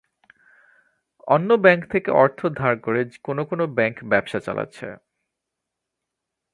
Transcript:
অন্য ব্যাংক থেকে অর্থ ধার করে কোনো কোনো ব্যাংক ব্যবসা চালাচ্ছে।